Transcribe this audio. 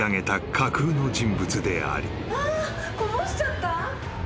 こぼしちゃった？